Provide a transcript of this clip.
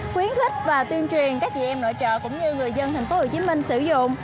khuyến khích và tuyên truyền các chị em nội trợ cũng như người dân tp hcm sử dụng